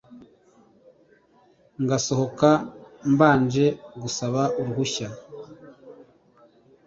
Ngasohoka mbanje gusaba uruhusa